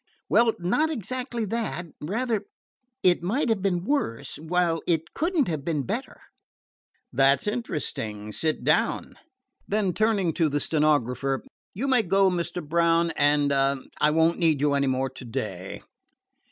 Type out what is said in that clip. "Well, not exactly that; rather, it might have been worse, while it could n't have been better." "That 's interesting. Sit down." Then, turning to the stenographer: "You may go, Mr. Brown, and hum! I won't need you any more to day."